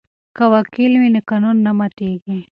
که وکیل وي نو قانون نه ماتیږي.